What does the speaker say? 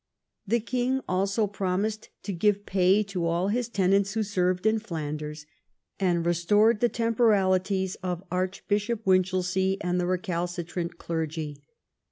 The king also promised to give pay to all his tenants who served in Flanders, and restored the temporalities of Archbishop Winch elsea and the recalcitrant clergy.